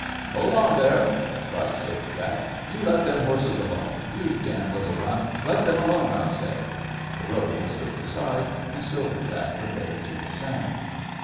"Hold on there!" cried Silver Jack. "You let them horses alone! You damn little runt! Let them alone I say!" The robe was kicked aside, and Silver Jack prepared to descend.